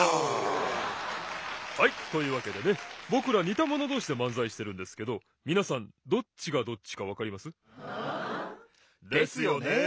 はいというわけでねぼくらにたものどうしでまんざいしてるんですけどみなさんどっちがどっちかわかります？ですよね？